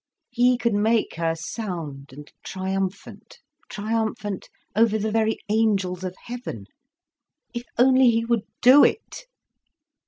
He could make her sound and triumphant, triumphant over the very angels of heaven. If only he would do it!